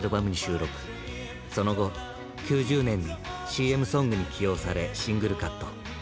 その後９０年にＣＭソングに起用されシングルカット。